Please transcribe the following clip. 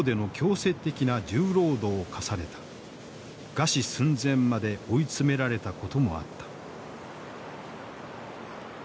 餓死寸前まで追い詰められたこともあった。